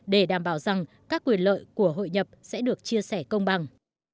để đảm bảo rằng các quyền lợi của hội nhập sẽ được chia sẻ công bằng